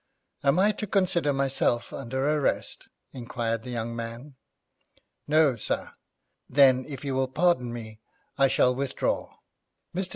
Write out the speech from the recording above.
'Am I to consider myself under arrest?' inquired the young man. 'No, sir.' 'Then, if you will pardon me, I shall withdraw. Mr.